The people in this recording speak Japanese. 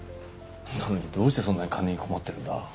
なのにどうしてそんなに金に困ってるんだ？